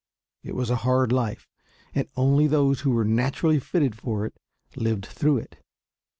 It was a hard life and only those who were naturally fitted for it lived through it.